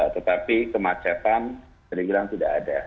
tetapi kemacetan sejujurnya tidak ada